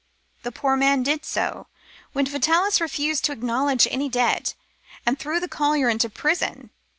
The poor man did so, when Vitalis refused to acknow ledge any debt, and threw the collier into prison.